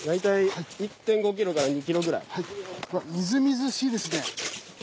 みずみずしいですね。